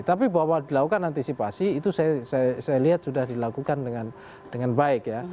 tapi bahwa dilakukan antisipasi itu saya lihat sudah dilakukan dengan baik ya